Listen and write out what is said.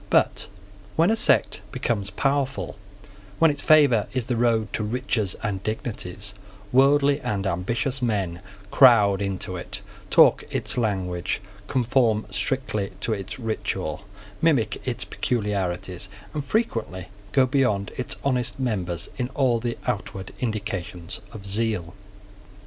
But, when a sect becomes powerful, when its favour is the road to riches and dignities, worldly and ambitious men crowd into it, talk its language, conform strictly to its ritual, mimic its peculiarities, and frequently go beyond its honest members in all the outward indications of zeal.